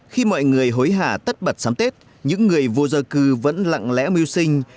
khi mọi người hối hả tất bật sắm tết những người vô gia cư vẫn lặng lẽ mưu sinh